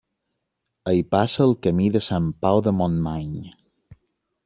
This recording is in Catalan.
Hi passa el camí de Sant Pau de Montmany.